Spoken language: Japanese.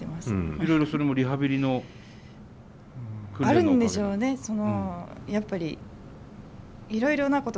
いろいろそれもリハビリの訓練のおかげ？あるんでしょうね。